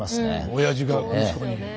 おやじが息子に。